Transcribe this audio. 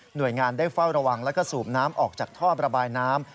โดยงานได้เฝ้าระวังแล้วก็สูบน้ำออกจากท่อประบายน้ำ